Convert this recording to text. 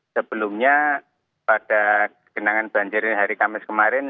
sebelumnya pada kenangan banjir hari kamis kemarin